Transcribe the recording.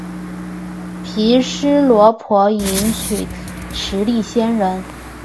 毗尸罗婆迎娶持力仙人。